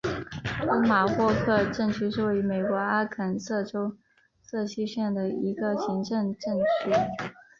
托马霍克镇区是位于美国阿肯色州瑟西县的一个行政镇区。